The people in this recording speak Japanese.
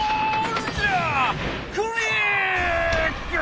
クリック！